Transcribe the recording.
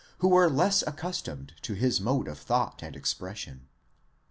who were less accustomed to his mode of thought and expression.